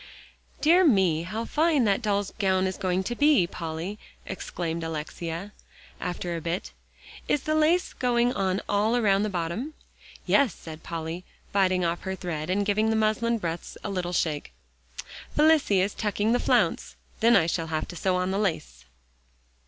"Dear me, how fine that doll's gown is to be, Polly," exclaimed Alexia after a bit. "Is the lace going on all around the bottom?" "Yes," said Polly, biting off her thread, and giving the muslin breadths a little shake; "Felicie is tucking the flounce; then I shall have to sew on the lace."